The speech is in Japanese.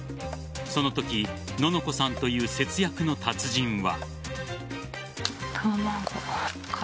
そのとき、ののこさんという節約の達人は。